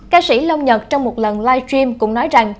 ca sĩ long nhật trong một lần live stream cũng nói rằng